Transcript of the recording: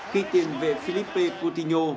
khi tiền vệ filipe coutinho